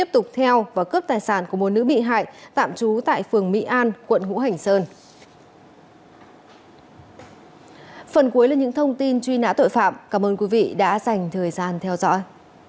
phần cuối là những thông tin truy nã tội phạm cảm ơn quý vị đã dành thời gian theo dõi